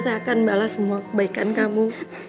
saya akan balas semua kebaikan kamu